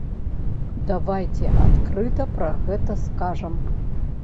Давайце адкрыта пра гэта скажам!